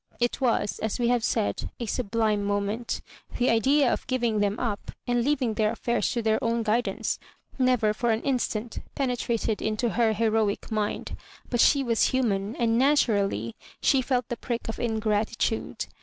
It was, as we have said, a sublime mo ment The idea of givhig them up, and leaving their afibirs to their 'own guidance, never for an instant penetrated into her heroic mind ; but she was human, and naturally she felt the prick of ingratitude.